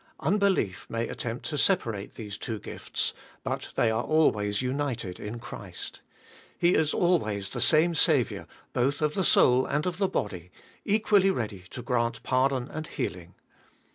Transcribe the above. Unbelief may attempt to separate these two gifts, but they are always united in Christ He is always the same Saviour both of tjhe soul and of the body, equally ready to grant pardon and healing.